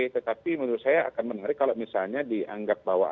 tetapi menurut saya akan menarik kalau misalnya dianggap bahwa